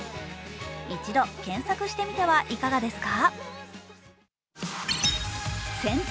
一度、検索してみてはいかがですか